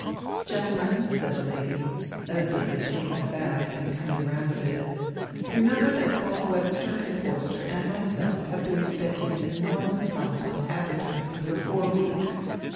"Gentlemen," said the lady, evidently taken aback and coming round a bit, "remember that both Webster and Forster and myself have been spending enormous sums on advertising for four weeks.